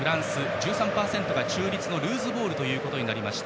１３％が中立のルーズボールとなりました。